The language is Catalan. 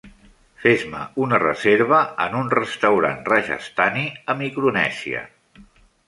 Fes-me una reserva en un restaurant rajasthani a Micronèsia